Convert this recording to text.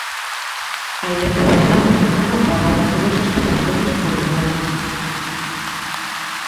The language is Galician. A electricidade non a pagan todos os territorios por igual.